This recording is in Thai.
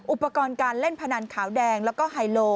อุปกรณ์การเล่นพนันขาวแดงแล้วก็ไฮโล